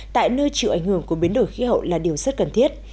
tại nơi chịu ảnh hưởng của biến đổi khí hậu là điều rất cần thiết